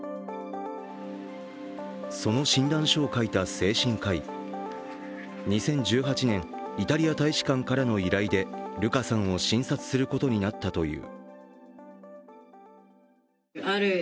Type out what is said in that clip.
その診断書を書いた精神科医、２０１８年、イタリア大使館からの依頼でルカさんを診察することになったという。